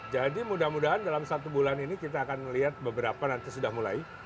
jadi mudah mudahan dalam satu bulan ini kita akan melihat beberapa nanti sudah mulai